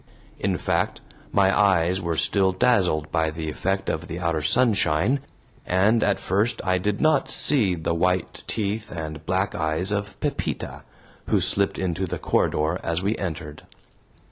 In fact, my eyes were still dazzled by the effect of the outer sunshine, and at first I did not see the white teeth and black eyes of Pepita, who slipped into the corridor as we entered.